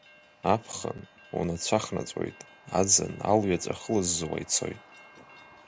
Аԥхын унацәа хнаҵәоит, аӡын алҩаҵә ахылыззуа ицоит.